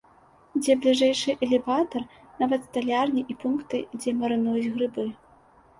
Дзе бліжэйшы элеватар, нават сталярні і пункты, дзе марынуюць грыбы.